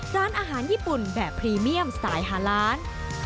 ร้านอาหารญี่ปุ่นแบบพรีเมียมสายฮาล้าน